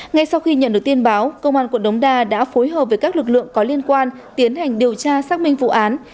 ngay sau khi nhận được tin báo công an quận đống đa đã phối hợp với các lực lượng có liên quan tiến hành điều tra xác minh vụ án